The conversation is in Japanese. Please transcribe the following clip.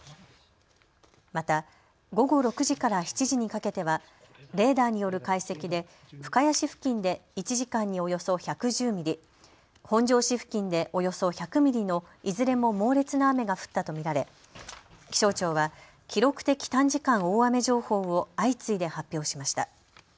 また午後６時から７時にかけてはレーダーによる解析で深谷市付近で１時間におよそ１１０ミリ、本庄市付近でおよそ１００ミリのいずれも猛烈な雨が降ったと見られ気象庁は記録的短時間大雨情報を相次いで発表しました。